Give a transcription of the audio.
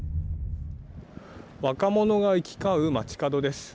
若者が行き交う街角です。